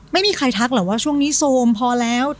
ไม่มีใครทักหรอกว่าช่วงนี้โซมพอแล้ว